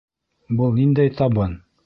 Был ниндәй табын?